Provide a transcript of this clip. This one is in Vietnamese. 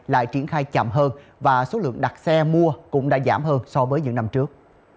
lại triển khai chậm hơn và số lượng đặt xe mua cũng đã giảm hơn so với những năm trước